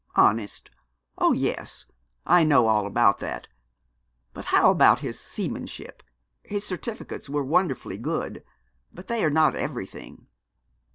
'Honest; oh yes, I know all about that. But how about his seamanship? His certificates were wonderfully good, but they are not everything.